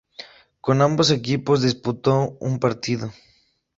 Con ambos equipos disputó un partido.